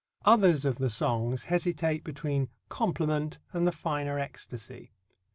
Others of the songs hesitate between compliment and the finer ecstasy.